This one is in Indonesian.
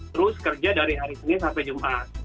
terus kerja dari hari senin sampai jumat